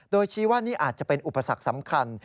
โดยชี้ว่านี่อาจจะเป็นอุปสรรคสำคัญ